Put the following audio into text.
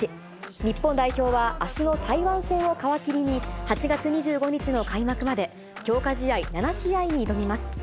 日本代表はあすの台湾戦を皮切りに、８月２５日の開幕まで、強化試合７試合に挑みます。